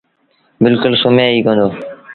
بلڪُل سمهي ئيٚ ڪوندو۔